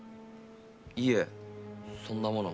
いえそんなもの。